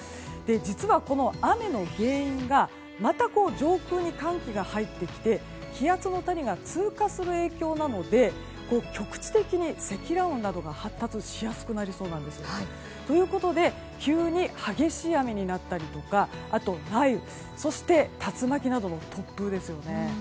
実は、雨の原因がまた上空に寒気が入ってきて気圧の谷が通過する影響なので局地的に積乱雲などが発達しやすくなりそうです。ということで急に激しい雨になったりとか雷雨そして、竜巻などの突風ですね。